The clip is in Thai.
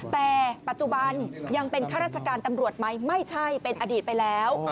แต่ปัจจุบันยังเป็นข้าราชการตำรวจไหมไม่ใช่เป็นอดีตไปแล้ว